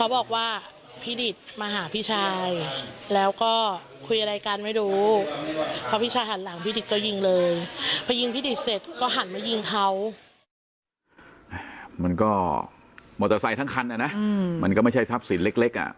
โมเตอร์ไซค์ทั้งคันนะมันก็ไม่ใช่ทรัพย์ศิลป์เล็ก